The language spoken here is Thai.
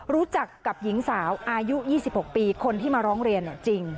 รู้จักกับหญิงสาวอายุ๒๖ปีคนที่มาร้องเรียนจริง